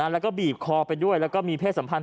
แล้วก็บีบคอไปด้วยแล้วก็มีเพศสัมพันธ